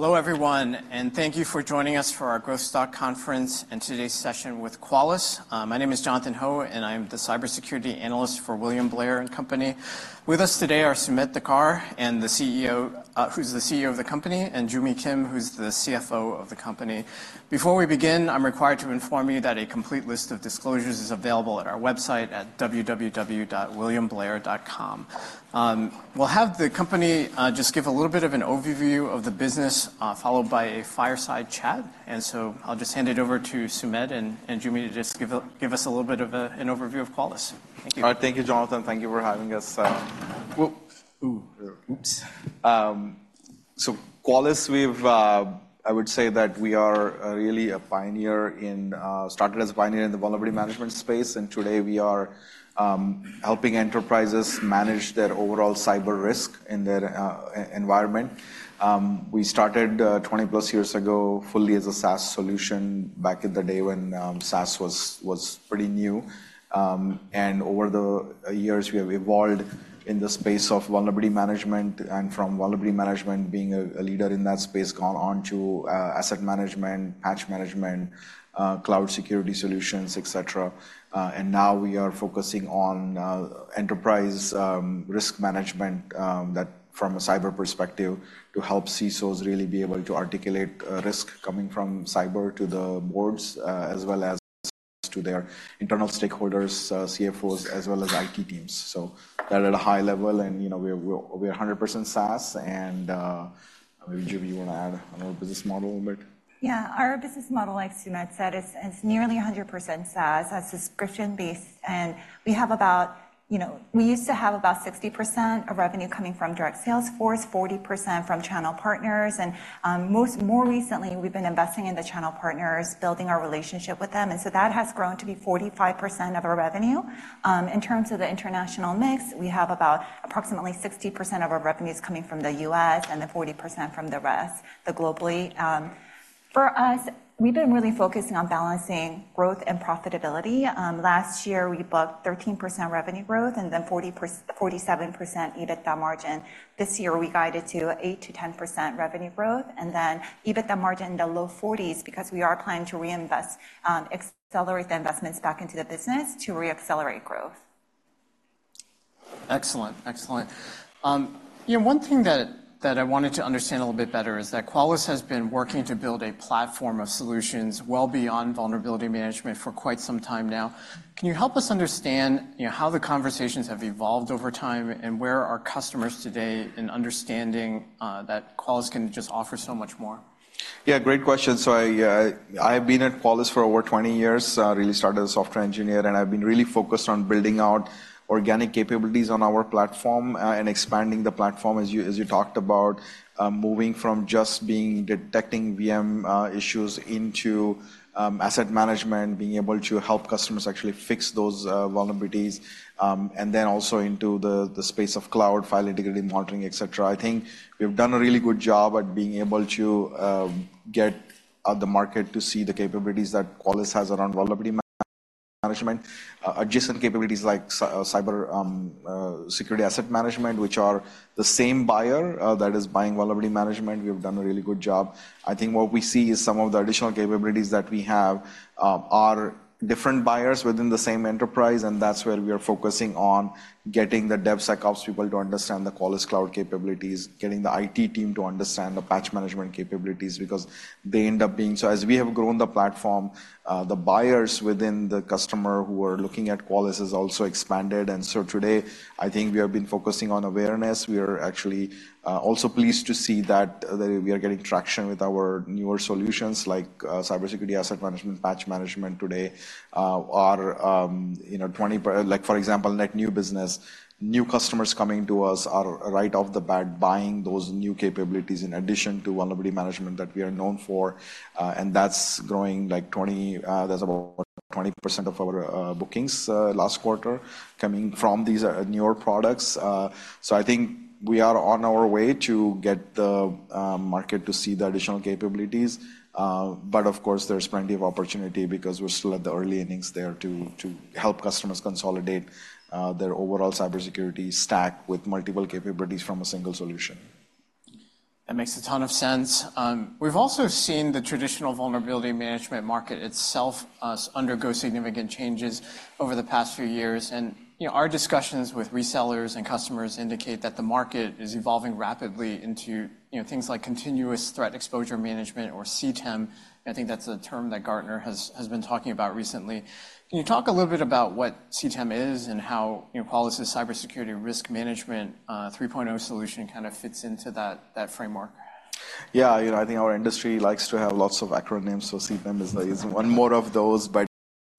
Hello, everyone, and thank you for joining us for our Growth Stock Conference and today's session with Qualys. My name is Jonathan Ho, and I'm the Cybersecurity Analyst for William Blair & Company. With us today are Sumedh Thakar, the CEO of the company, and Joo Mi Kim, the CFO of the company. Before we begin, I'm required to inform you that a complete list of disclosures is available at our website at www.williamblair.com. We'll have the company just give a little bit of an overview of the business, followed by a fireside chat. So I'll just hand it over to Sumedh and Joo Mi to just give us a little bit of an overview of Qualys. Thank you. All right, thank you, Jonathan. Thank you for having us. So Qualys, we've, I would say that we are really a pioneer in, started as a pioneer in the vulnerability management space, and today we are, helping enterprises manage their overall cyber risk in their, environment. We started, 20+ years ago, fully as a SaaS solution back in the day when, SaaS was pretty new. And over the years, we have evolved in the space of vulnerability management, and from vulnerability management, being a leader in that space, gone on to, asset management, patch management, cloud security solutions, etc. And now we are focusing on enterprise risk management that from a cyber perspective, to help CISOs really be able to articulate risk coming from cyber to the boards as well as to their internal stakeholders, CFOs, as well as IT teams. So that at a high level, and you know, we're 100% SaaS, and maybe, Joo Mi, you want to add on our business model a little bit? Yeah, our business model, like Sumedh said, is nearly 100% SaaS, subscription-based, and we have about, you know, we used to have about 60% of revenue coming from direct sales force, 40% from channel partners, and most more recently, we've been investing in the channel partners, building our relationship with them, and so that has grown to be 45% of our revenue. In terms of the international mix, we have about approximately 60% of our revenues coming from the U.S. and then 40% from the rest, the globally. For us, we've been really focusing on balancing growth and profitability. Last year, we booked 13% revenue growth and then 47% EBITDA margin. This year, we guided to 8%-10% revenue growth, and then EBITDA margin in the low 40s because we are planning to reinvest, accelerate the investments back into the business to reaccelerate growth. Excellent. Excellent. You know, one thing that I wanted to understand a little bit better is that Qualys has been working to build a platform of solutions well beyond vulnerability management for quite some time now. Can you help us understand, you know, how the conversations have evolved over time, and where are customers today in understanding that Qualys can just offer so much more? Yeah, great question. So I've been at Qualys for over 20 years, really started as a software engineer, and I've been really focused on building out organic capabilities on our platform, and expanding the platform, as you talked about, moving from just detecting VM issues into asset management, being able to help customers actually fix those vulnerabilities, and then also into the space of cloud file integrity monitoring, etc. I think we've done a really good job at being able to get the market to see the capabilities that Qualys has around vulnerability management adjacent capabilities like cybersecurity asset management, which are the same buyer that is buying vulnerability management. We've done a really good job. I think what we see is some of the additional capabilities that we have are different buyers within the same enterprise, and that's where we are focusing on getting the DevSecOps people to understand the Qualys cloud capabilities, getting the IT team to understand the Patch Management capabilities because they end up being... So as we have grown the platform, the buyers within the customer who are looking at Qualys has also expanded. And so today, I think we have been focusing on awareness. We are actually also pleased to see that we are getting traction with our newer solutions, like, CyberSecurity Asset Management, Patch Management today are, you know, like, for example, net new business, new customers coming to us are right off the bat, buying those new capabilities in addition to Vulnerability Management that we are known for, and that's growing like 20, that's about 20% of our bookings last quarter coming from these newer products. So I think we are on our way to get the market to see the additional capabilities. But of course, there's plenty of opportunity because we're still at the early innings there to help customers consolidate their overall cybersecurity stack with multiple capabilities from a single solution. That makes a ton of sense. We've also seen the traditional vulnerability management market itself has undergone significant changes over the past few years. You know, our discussions with resellers and customers indicate that the market is evolving rapidly into, you know, things like continuous threat exposure management or CTEM. I think that's a term that Gartner has been talking about recently. Can you talk a little bit about what CTEM is and how, you know, Qualys' cybersecurity risk management 3.0 solution kind of fits into that framework? Yeah, you know, I think our industry likes to have lots of acronyms, so CTEM is one more of those, but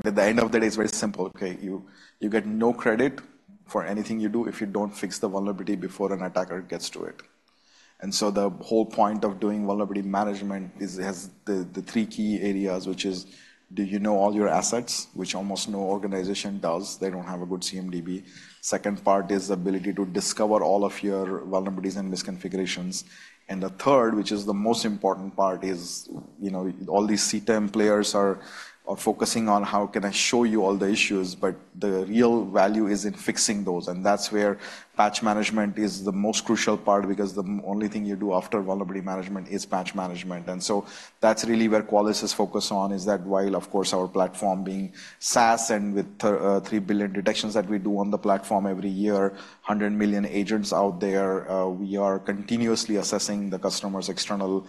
at the end of the day, it's very simple, okay? You get no credit for anything you do if you don't fix the vulnerability before an attacker gets to it. And so the whole point of doing vulnerability management has the three key areas, which is: do you know all your assets? Which almost no organization does. They don't have a good CMDB. Second part is the ability to discover all of your vulnerabilities and misconfigurations. And the third, which is the most important part, is, you know, all these CTEM players are focusing on how can I show you all the issues, but the real value is in fixing those. That's where patch management is the most crucial part because the only thing you do after vulnerability management is patch management. And so that's really where Qualys is focused on, is that while, of course, our platform being SaaS and with 3 billion detections that we do on the platform every year, 100 million agents out there, we are continuously assessing the customer's external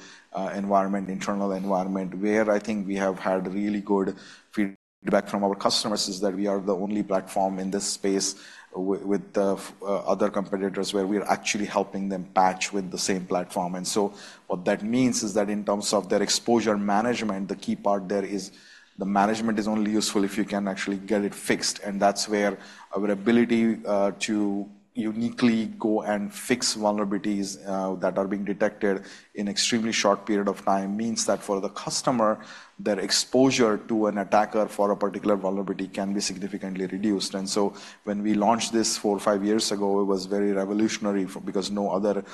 environment, internal environment. Where I think we have had really good feedback from our customers is that we are the only platform in this space with the other competitors, where we are actually helping them patch with the same platform. And so what that means is that in terms of their exposure management, the key part there is the management is only useful if you can actually get it fixed. And that's where our ability to uniquely go and fix vulnerabilities that are being detected in extremely short period of time means that for the customer, their exposure to an attacker for a particular vulnerability can be significantly reduced. And so when we launched this 4-5 years ago, it was very revolutionary because no other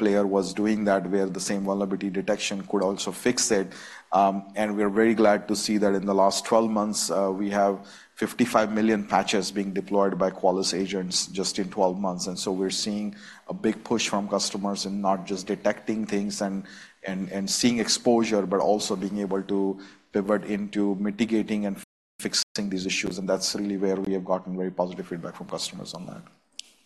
player was doing that, where the same vulnerability detection could also fix it. And we're very glad to see that in the last 12 months, we have 55 million patches being deployed by Qualys agents just in 12 months. And so we're seeing a big push from customers in not just detecting things and seeing exposure, but also being able to pivot into mitigating and fixing these issues, and that's really where we have gotten very positive feedback from customers on that.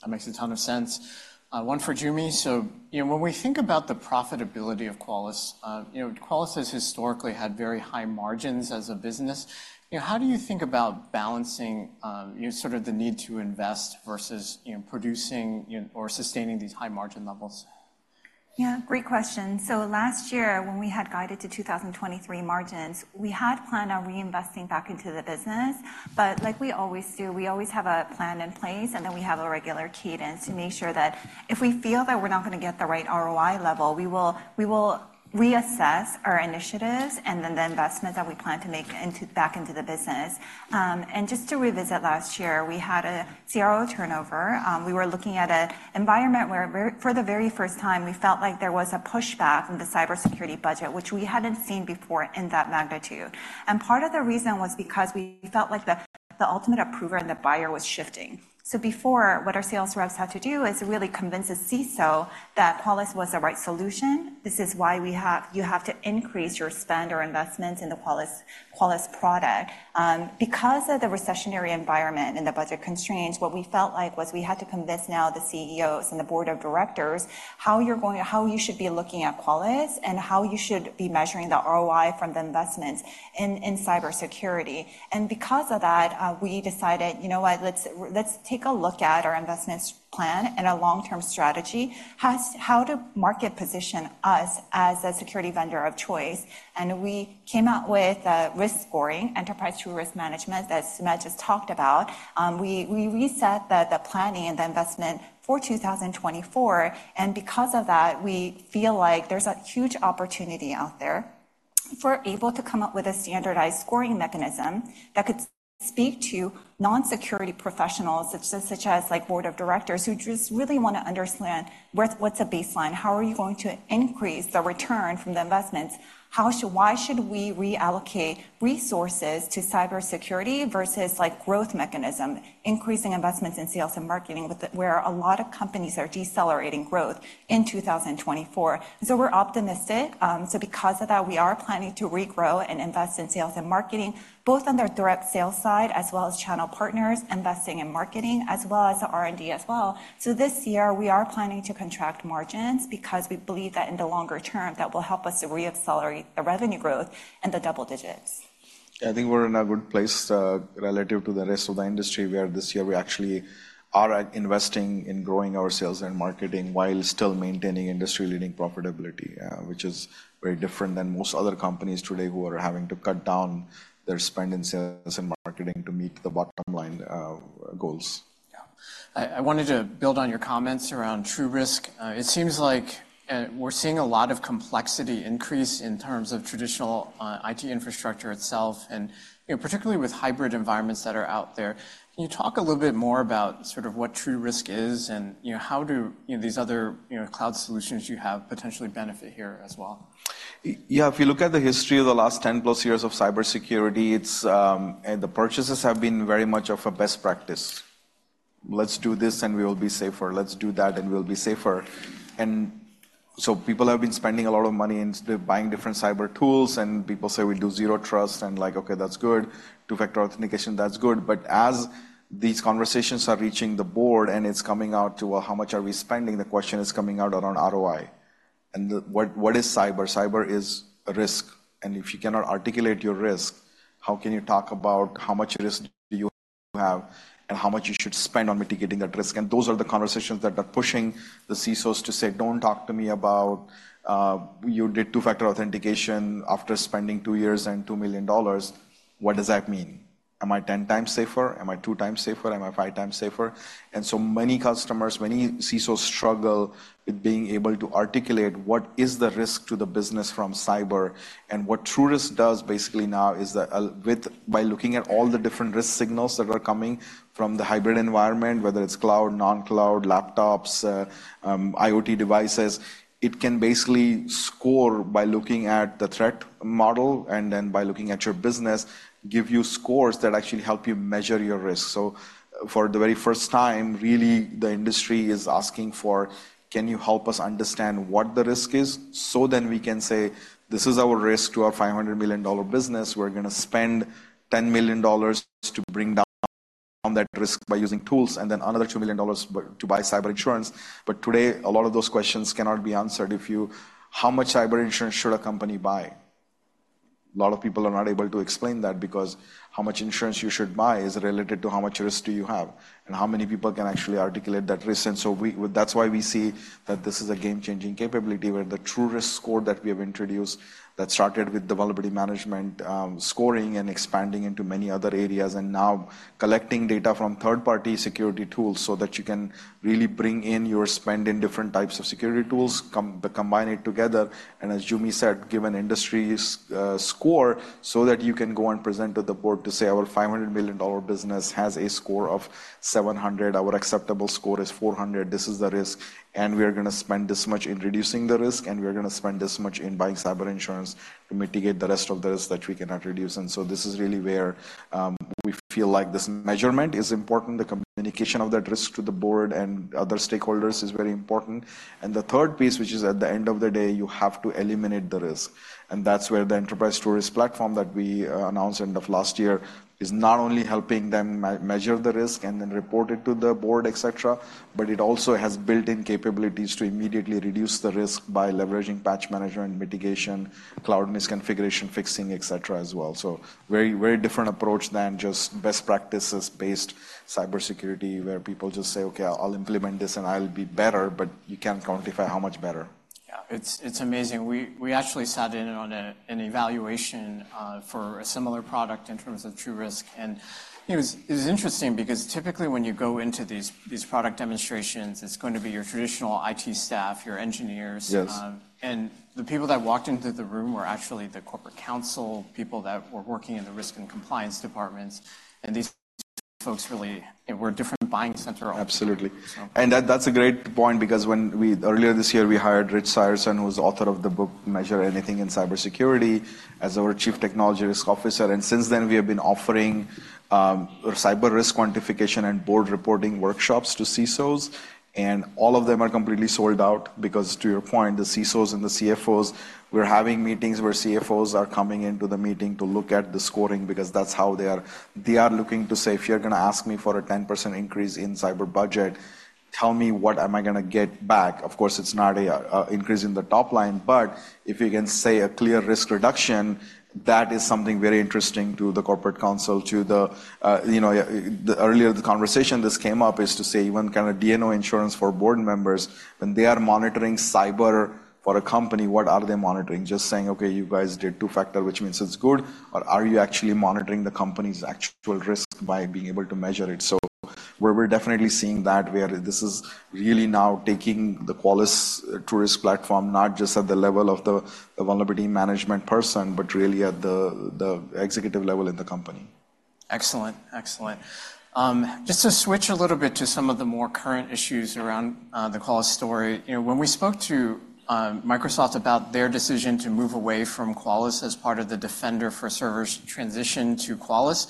That makes a ton of sense. One for Joo Mi. So, you know, when we think about the profitability of Qualys, you know, Qualys has historically had very high margins as a business. You know, how do you think about balancing, you know, sort of the need to invest versus, you know, producing, you know, or sustaining these high-margin levels? Yeah, great question. So last year, when we had guided to 2023 margins, we had planned on reinvesting back into the business. But like we always do, we always have a plan in place, and then we have a regular cadence to make sure that if we feel that we're not gonna get the right ROI level, we will, we will reassess our initiatives and then the investment that we plan to make into, back into the business. And just to revisit last year, we had a CRO turnover. We were looking at an environment where for the very first time, we felt like there was a pushback from the cybersecurity budget, which we hadn't seen before in that magnitude. And part of the reason was because we felt like the ultimate approver and the buyer was shifting. So before, what our sales reps had to do is really convince a CISO that Qualys was the right solution. This is why we have you have to increase your spend or investment in the Qualys, Qualys product. Because of the recessionary environment and the budget constraints, what we felt like was we had to convince now the CEOs and the board of directors how you're going how you should be looking at Qualys and how you should be measuring the ROI from the investments in, in cybersecurity. And because of that, we decided, you know what? Let's, let's take a look at our investments plan and our long-term strategy. How how to market position us as a security vendor of choice, and we came out with risk scoring, Enterprise TruRisk Management, that Sumedh just talked about. We reset the planning and the investment for 2024, and because of that, we feel like there's a huge opportunity out there for able to come up with a standardized scoring mechanism that could speak to non-security professionals, such as like board of directors, who just really want to understand what's a baseline? How are you going to increase the return from the investments? How should... Why should we reallocate resources to cybersecurity versus, like, growth mechanism, increasing investments in sales and marketing, where a lot of companies are decelerating growth in 2024? So we're optimistic. So because of that, we are planning to regrow and invest in sales and marketing, both on the direct sales side, as well as channel partners, investing in marketing, as well as the R&D as well. This year, we are planning to contract margins because we believe that in the longer term, that will help us to reaccelerate the revenue growth in the double digits. I think we're in a good place, relative to the rest of the industry, where this year we actually are investing in growing our sales and marketing while still maintaining industry-leading profitability, which is very different than most other companies today who are having to cut down their spend in sales and marketing to meet the bottom line goals. Yeah. I wanted to build on your comments around TruRisk. It seems like we're seeing a lot of complexity increase in terms of traditional IT infrastructure itself and, you know, particularly with hybrid environments that are out there. Can you talk a little bit more about sort of what TruRisk is, and, you know, how do, you know, these other, you know, cloud solutions you have potentially benefit here as well? Yeah, if you look at the history of the last 10+ years of cybersecurity, it's and the purchases have been very much of a best practice. Let's do this, and we will be safer. Let's do that, and we'll be safer. And so people have been spending a lot of money into buying different cyber tools, and people say: "We'll do Zero Trust," and like, "Okay, that's good. Two-factor authentication, that's good." But as these conversations are reaching the board, and it's coming out to, well, how much are we spending? The question is coming out around ROI. And what, what is cyber? Cyber is a risk, and if you cannot articulate your risk, how can you talk about how much risk do you have and how much you should spend on mitigating that risk? And those are the conversations that are pushing the CISOs to say: "Don't talk to me about, you did two-factor authentication after spending two years and $2 million. What does that mean?"... Am I 10x safer? Am I 2x safer? Am I 5x safer? And so many customers, many CISOs struggle with being able to articulate what is the risk to the business from cyber. And what TruRisk does basically now is that, with, by looking at all the different risk signals that are coming from the hybrid environment, whether it's cloud, non-cloud, laptops, IoT devices, it can basically score by looking at the threat model, and then by looking at your business, give you scores that actually help you measure your risk. So for the very first time, really, the industry is asking for: Can you help us understand what the risk is? So then we can say, "This is our risk to our $500 million business. We're gonna spend $10 million to bring down on that risk by using tools, and then another $2 million to buy cyber insurance." But today, a lot of those questions cannot be answered if you-- How much cyber insurance should a company buy? A lot of people are not able to explain that because how much insurance you should buy is related to how much risk do you have, and how many people can actually articulate that risk. And so we, that's why we see that this is a game-changing capability, where the TruRisk score that we have introduced, that started with vulnerability management, scoring and expanding into many other areas, and now collecting data from third-party security tools so that you can really bring in your spend in different types of security tools, combine it together, and as Jumi said, give an industry's score so that you can go and present to the board to say, "Our $500 million business has a score of 700. Our acceptable score is 400. This is the risk, and we are gonna spend this much in reducing the risk, and we are gonna spend this much in buying cyber insurance to mitigate the rest of the risk that we cannot reduce." And so this is really where we feel like this measurement is important. The communication of that risk to the board and other stakeholders is very important. And the third piece, which is at the end of the day, you have to eliminate the risk. And that's where the Enterprise TruRisk Platform that we announced end of last year is not only helping them measure the risk and then report it to the board, etc., but it also has built-in capabilities to immediately reduce the risk by leveraging patch manager and mitigation, cloud misconfiguration fixing, etc., as well. So very, very different approach than just best practices-based cybersecurity, where people just say, "Okay, I'll implement this, and I'll be better," but you can't quantify how much better. Yeah, it's amazing. We actually sat in on an evaluation for a similar product in terms of TruRisk. It was interesting because typically, when you go into these product demonstrations, it's going to be your traditional IT staff, your engineers- Yes. The people that walked into the room were actually the corporate counsel, people that were working in the risk and compliance departments. These folks really were a different buying center altogether, so. Absolutely. And that, that's a great point because when we... Earlier this year, we hired Rich Seiersen, who was author of the book, How to Measure Anything in Cybersecurity Risk, as our Chief Risk Technology Officer. And since then, we have been offering cyber risk quantification and board reporting workshops to CISOs, and all of them are completely sold out because, to your point, the CISOs and the CFOs, we're having meetings where CFOs are coming into the meeting to look at the scoring because that's how they are—they are looking to say, "If you're gonna ask me for a 10% increase in cyber budget, tell me, what am I gonna get back?" Of course, it's not a, a increase in the top line, but if you can say a clear risk reduction, that is something very interesting to the corporate counsel, to the, you know... Earlier, the conversation this came up is to say, even can a D&O insurance for board members, when they are monitoring cyber for a company, what are they monitoring? Just saying, "Okay, you guys did two-factor, which means it's good," or are you actually monitoring the company's actual risk by being able to measure it? So we're definitely seeing that, where this is really now taking the Qualys TruRisk platform, not just at the level of the vulnerability management person, but really at the executive level in the company. Excellent, excellent. Just to switch a little bit to some of the more current issues around the Qualys story. You know, when we spoke to Microsoft about their decision to move away from Qualys as part of the Defender for Servers' transition to Qualys,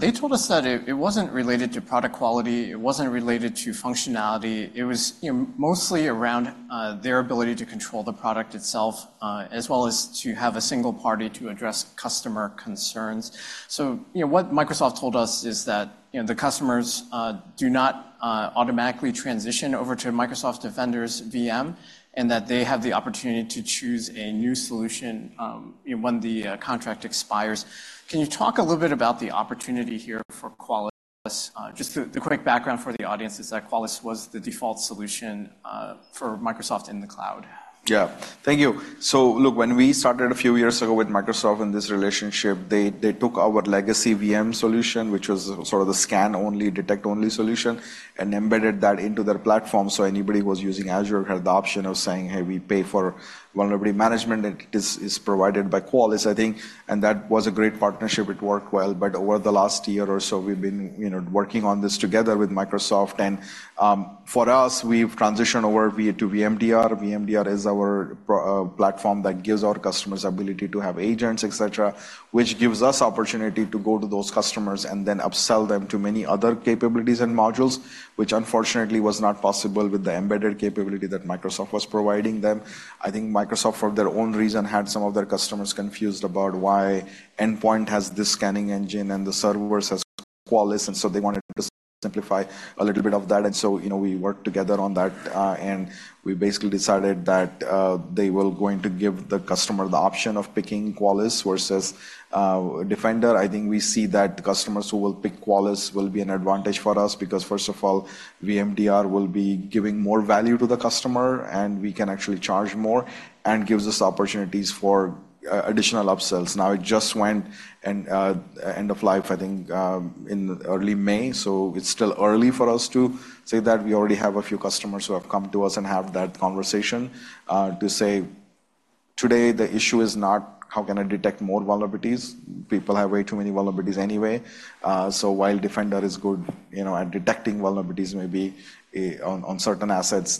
they told us that it wasn't related to product quality, it wasn't related to functionality. It was, you know, mostly around their ability to control the product itself, as well as to have a single party to address customer concerns. So, you know, what Microsoft told us is that, you know, the customers do not automatically transition over to Microsoft Defender's VM, and that they have the opportunity to choose a new solution, when the contract expires. Can you talk a little bit about the opportunity here for Qualys? Just the quick background for the audience is that Qualys was the default solution for Microsoft in the cloud. Yeah. Thank you. So look, when we started a few years ago with Microsoft in this relationship, they, they took our legacy VM solution, which was sort of the scan-only, detect-only solution, and embedded that into their platform. So anybody who was using Azure had the option of saying: Hey, we pay for vulnerability management, and this is provided by Qualys. I think, and that was a great partnership. It worked well, but over the last year or so, we've been, you know, working on this together with Microsoft. And, for us, we've transitioned over via to VMDR. VMDR is our pro platform that gives our customers ability to have agents, etc., which gives us opportunity to go to those customers and then upsell them to many other capabilities and modules, which unfortunately was not possible with the embedded capability that Microsoft was providing them. I think Microsoft, for their own reason, had some of their customers confused about why Endpoint has this scanning engine and the servers has Qualys, and so they wanted to simplify a little bit of that. And so, you know, we worked together on that, and we basically decided that, they were going to give the customer the option of picking Qualys versus, Defender. I think we see that customers who will pick Qualys will be an advantage for us because, first of all, VMDR will be giving more value to the customer, and we can actually charge more and gives us opportunities for, additional upsells. Now, it just went into end of life, I think, in early May, so it's still early for us to say that we already have a few customers who have come to us and have that conversation to say today, the issue is not how can I detect more vulnerabilities? People have way too many vulnerabilities anyway. So while Defender is good, you know, at detecting vulnerabilities, maybe on certain assets,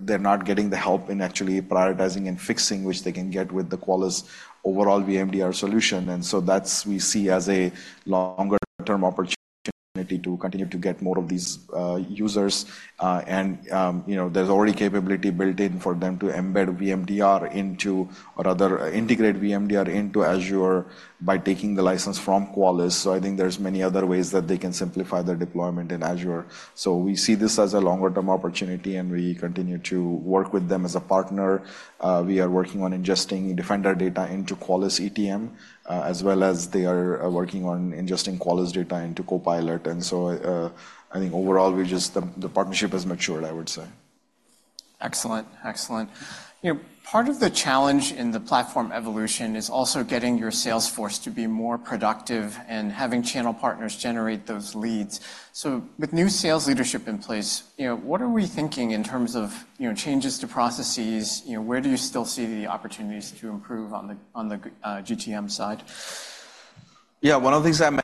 they're not getting the help in actually prioritizing and fixing, which they can get with the Qualys overall VMDR solution. And so that we see as a longer-term opportunity to continue to get more of these users. And you know, there's already capability built in for them to embed VMDR into or rather, integrate VMDR into Azure by taking the license from Qualys. So I think there's many other ways that they can simplify their deployment in Azure. So we see this as a longer-term opportunity, and we continue to work with them as a partner. We are working on ingesting Defender data into Qualys ETM, as well as they are working on ingesting Qualys data into Copilot. And so, I think overall, the partnership has matured, I would say. Excellent, excellent. You know, part of the challenge in the platform evolution is also getting your sales force to be more productive and having channel partners generate those leads. So with new sales leadership in place, you know, what are we thinking in terms of, you know, changes to processes? You know, where do you still see the opportunities to improve on the GTM side? Yeah, one of the things I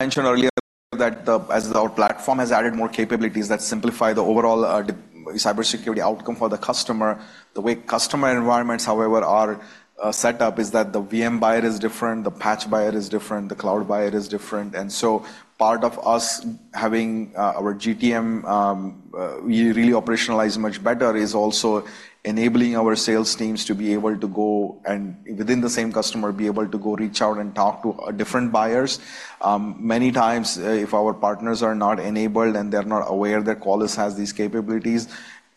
mentioned earlier, that the, as our platform has added more capabilities that simplify the overall, cybersecurity outcome for the customer. The way customer environments, however, are, set up is that the VM buyer is different, the patch buyer is different, the cloud buyer is different. And so part of us having, our GTM, we really operationalize much better, is also enabling our sales teams to be able to go, and within the same customer, be able to go reach out and talk to, different buyers. Many times, if our partners are not enabled and they're not aware that Qualys has these capabilities,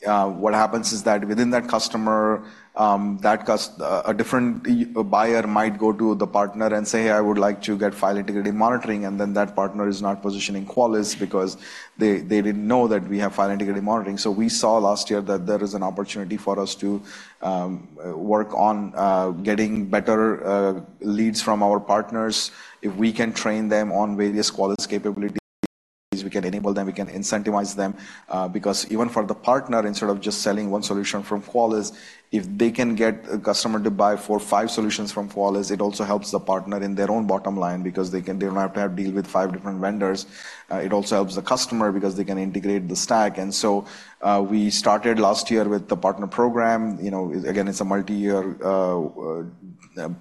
what happens is that within that customer, a different buyer might go to the partner and say, "I would like to get File Integrity Monitoring." And then that partner is not positioning Qualys because they, they didn't know that we have File Integrity Monitoring. So we saw last year that there is an opportunity for us to work on getting better leads from our partners. If we can train them on various Qualys capabilities, we can enable them, we can incentivize them, because even for the partner, instead of just selling one solution from Qualys, if they can get a customer to buy four, five solutions from Qualys, it also helps the partner in their own bottom line because they don't have to deal with five different vendors. It also helps the customer because they can integrate the stack. And so, we started last year with the partner program. You know, again, it's a multi-year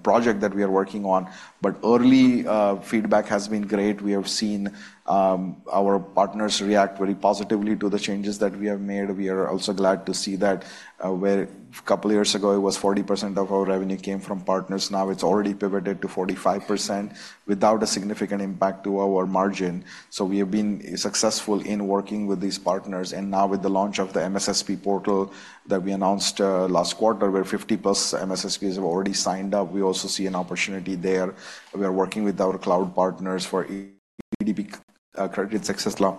project that we are working on, but early feedback has been great. We have seen our partners react very positively to the changes that we have made. We are also glad to see that, where a couple of years ago, it was 40% of our revenue came from partners, now it's already pivoted to 45% without a significant impact to our margin. So we have been successful in working with these partners. And now with the launch of the MSSP portal that we announced, last quarter, where 50-plus MSSPs have already signed up, we also see an opportunity there. We are working with our cloud partners for EDP, committed spend [law],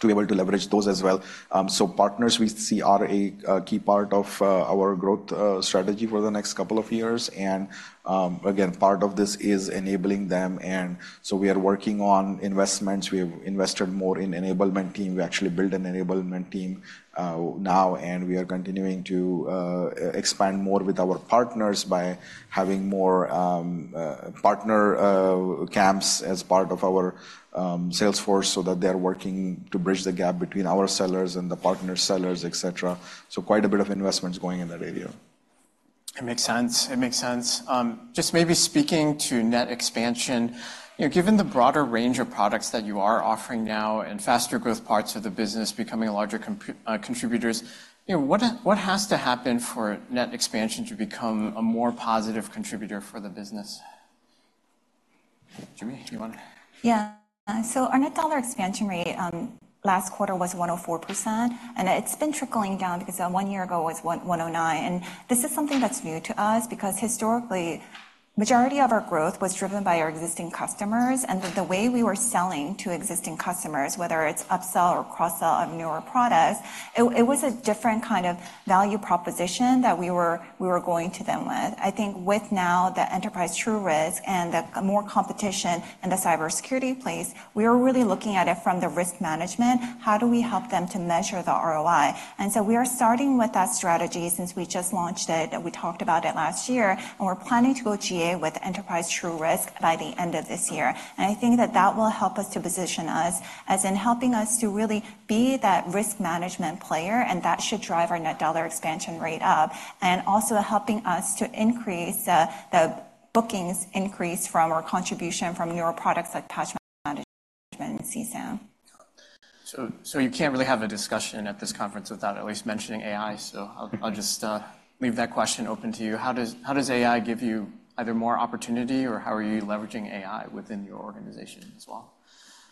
to be able to leverage those as well. So partners we see are a key part of our growth strategy for the next couple of years. And, again, part of this is enabling them. And so we are working on investments. We have invested more in enablement team. We actually built an enablement team, now, and we are continuing to expand more with our partners by having more partner camps as part of our sales force so that they're working to bridge the gap between our sellers and the partner sellers, et cetera. So quite a bit of investments going in that area. It makes sense. It makes sense. Just maybe speaking to net expansion, you know, given the broader range of products that you are offering now and faster growth parts of the business becoming larger contributors, you know, what has to happen for net expansion to become a more positive contributor for the business? Joo Mi, you want to- Yeah. So our net dollar expansion rate last quarter was 104%, and it's been trickling down because one year ago, it was 109. And this is something that's new to us because historically, majority of our growth was driven by our existing customers, and the way we were selling to existing customers, whether it's upsell or cross-sell of newer products, it was a different kind of value proposition that we were going to them with. I think with now the Enterprise TruRisk and the more competition in the cybersecurity space, we are really looking at it from the risk management, how do we help them to measure the ROI? So we are starting with that strategy since we just launched it, and we talked about it last year, and we're planning to go GA with Enterprise TruRisk by the end of this year. And I think that that will help us to position us, as in helping us to really be that risk management player, and that should drive our net dollar expansion rate up, and also helping us to increase the bookings increase from our contribution from newer products like Patch Management and CSAM. So you can't really have a discussion at this conference without at least mentioning AI. So I'll just leave that question open to you. How does AI give you either more opportunity or how are you leveraging AI within your organization as well?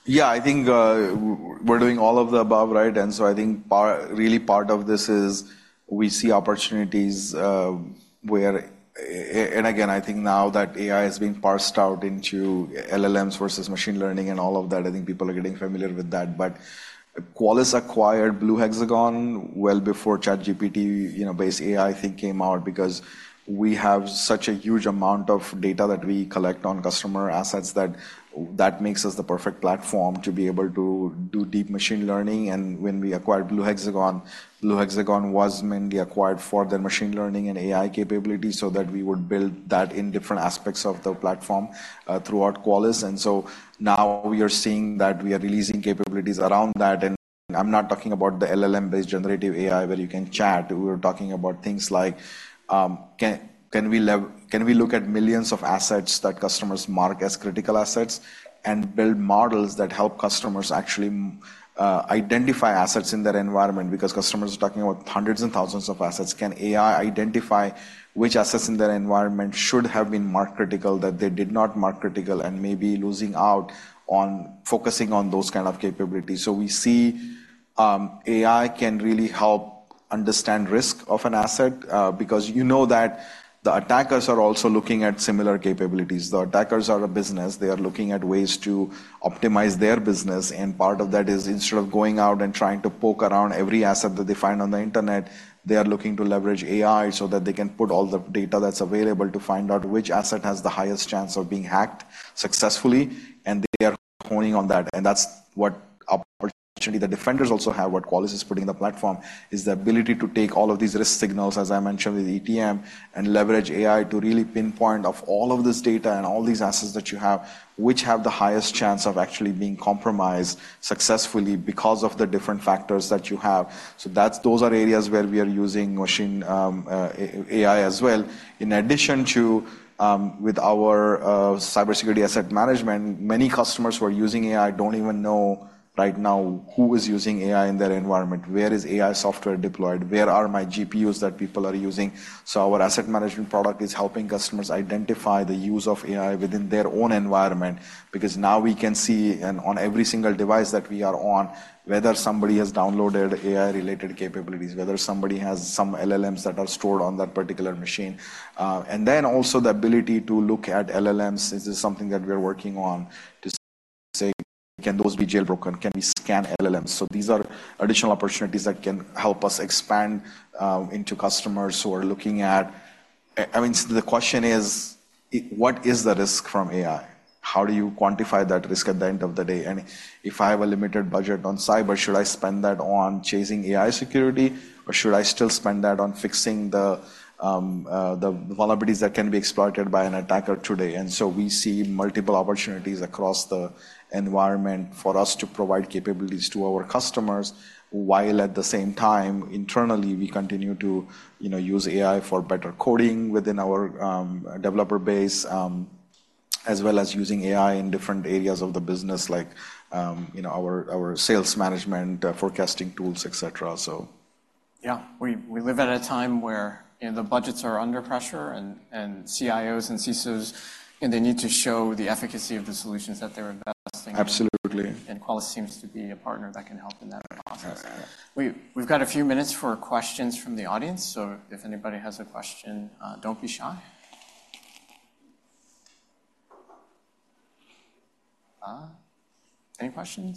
Yeah, I think we're doing all of the above, right? And so I think really part of this is we see opportunities where and again, I think now that AI is being parsed out into LLMs versus machine learning and all of that, I think people are getting familiar with that. But Qualys acquired Blue Hexagon well before ChatGPT, you know, based AI, I think, came out because we have such a huge amount of data that we collect on customer assets that that makes us the perfect platform to be able to do deep machine learning. And when we acquired Blue Hexagon, Blue Hexagon was mainly acquired for their machine learning and AI capabilities, so that we would build that in different aspects of the platform throughout Qualys. And so now we are seeing that we are releasing capabilities around that, and I'm not talking about the LLM-based generative AI, where you can chat. We are talking about things like, can we look at millions of assets that customers mark as critical assets and build models that help customers actually identify assets in their environment? Because customers are talking about hundreds and thousands of assets. Can AI identify which assets in their environment should have been marked critical that they did not mark critical and may be losing out on focusing on those kind of capabilities? So we see AI can really help understand risk of an asset because you know that the attackers are also looking at similar capabilities. The attackers are a business. They are looking at ways to optimize their business, and part of that is instead of going out and trying to poke around every asset that they find on the internet, they are looking to leverage AI so that they can put all the data that's available to find out which asset has the highest chance of being hacked successfully, and they are honing on that. And that's what opportunity the defenders also have, what Qualys is putting in the platform, is the ability to take all of these risk signals, as I mentioned, with CTEM, and leverage AI to really pinpoint, of all of this data and all these assets that you have, which have the highest chance of actually being compromised successfully because of the different factors that you have. So that's those are areas where we are using machine AI as well. In addition to, with our cybersecurity asset management, many customers who are using AI don't even know right now who is using AI in their environment. Where is AI software deployed? Where are my GPUs that people are using? So our asset management product is helping customers identify the use of AI within their own environment, because now we can see, and on every single device that we are on, whether somebody has downloaded AI-related capabilities, whether somebody has some LLMs that are stored on that particular machine. And then also the ability to look at LLMs. This is something that we are working on to say: Can those be jailbroken? Can we scan LLMs? So these are additional opportunities that can help us expand into customers who are looking at... I mean, the question is, what is the risk from AI? How do you quantify that risk at the end of the day? And if I have a limited budget on cyber, should I spend that on chasing AI security, or should I still spend that on fixing the vulnerabilities that can be exploited by an attacker today? And so we see multiple opportunities across the environment for us to provide capabilities to our customers, while at the same time, internally, we continue to, you know, use AI for better coding within our developer base, as well as using AI in different areas of the business like, you know, our sales management forecasting tools, et cetera, so. Yeah. We live at a time where, you know, the budgets are under pressure, and CIOs and CISOs need to show the efficacy of the solutions that they're investing in. Absolutely. Qualys seems to be a partner that can help in that process. We've got a few minutes for questions from the audience, so if anybody has a question, don't be shy. Any questions?